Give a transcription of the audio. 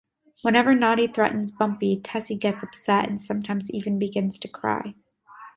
Whenever Noddy threatens Bumpy, Tessie gets upset, and sometimes even begins to cry.